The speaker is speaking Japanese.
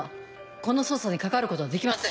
この捜査に関わることはできません。